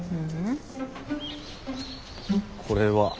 ううん。これは？